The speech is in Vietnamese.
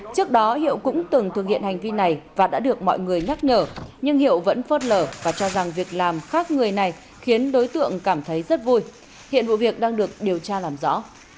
trước đó hiệu cũng từng thực hiện hành vi này và đã được mọi người nhắc nhở nhưng hiệu vẫn phớt lở và cho rằng việc làm khác người này khiến đối tượng cảm thấy rất vui hiện vụ việc đang được điều tra làm rõ